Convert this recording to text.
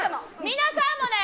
皆さんもね